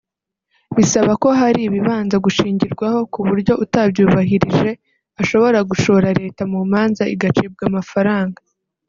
bisaba ko hari ibibanza gushingirwaho kuburyo utabyubahirije ashobora gushora Leta mu manza igacibwa amafaranga